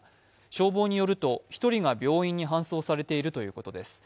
消防によると１人が病院に搬送されているということです。